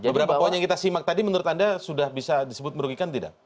beberapa poin yang kita simak tadi menurut anda sudah bisa disebut merugikan tidak